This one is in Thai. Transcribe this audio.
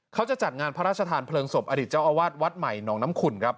เขาจะจัดงานพระราชทานเพลิงศพอดีตเจ้าอาวาสวัดใหม่หนองน้ำขุ่นครับ